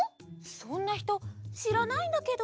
そんなひとしらないんだけど。